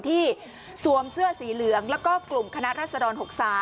สวมเสื้อสีเหลืองแล้วก็กลุ่มคณะรัศดร๖๓